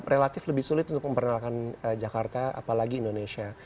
relatif lebih sulit untuk memperkenalkan jakarta apalagi indonesia